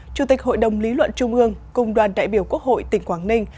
chủ tịch hội đồng lý luận trung ương cùng đoàn đại biểu quốc hội tỉnh quảng ninh